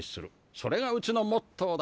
それがうちのモットーだ。